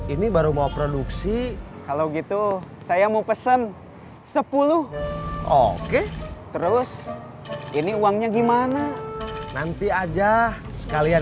ini baru mau produksi kalau gitu saya mau pesan sepuluh oke terus ini uangnya gimana nanti aja sekalian